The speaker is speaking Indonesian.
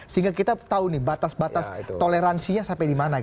sehingga kita tahu nih batas batas toleransinya sampai di mana